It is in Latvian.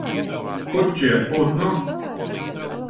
Kučier, pūt nu!